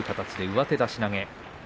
上手出し投げ。